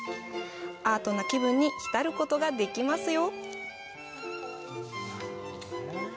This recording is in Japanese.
アートな気分に浸ることができますよ。